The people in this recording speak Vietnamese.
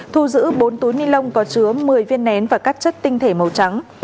thu giữ bốn túi ni lông có chứa một mươi viên nén và các chất tinh thể màu trắng